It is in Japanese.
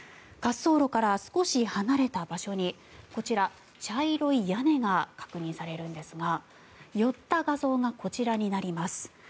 滑走路から少し離れた場所にこちら、茶色い屋根が確認されるんですが寄った画像がこちらになります。